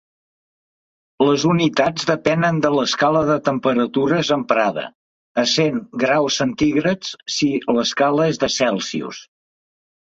Les unitats depenen de l'escala de temperatures emprada, essent °C si l'escala és la Celsius.